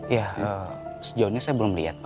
ya sejauh ini saya belum lihat